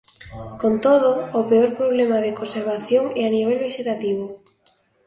Con todo, o peor problema de conservación é a nivel vexetativo.